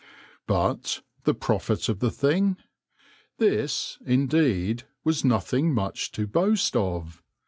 But, the profit of the thing ? This, indeed, was nothing much to boast of.